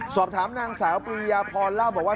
สอบถามนางสาวปรียาพรเล่าบอกว่า